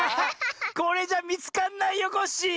これじゃみつかんないよコッシー！